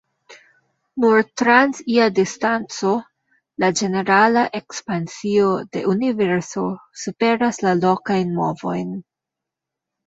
Nur trans ia distanco, la ĝenerala ekspansio de Universo superas la lokajn movojn.